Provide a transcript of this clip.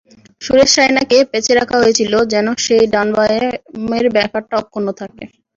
সুরেশ রায়নাকেও পাঁচে রাখা হয়েছিল যেন সেই ডান-বামের ব্যাপারটা অক্ষুণ্ন থাকে।